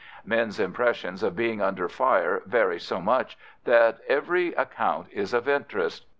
Men's impressions of being under fire vary so much that every account is of interest.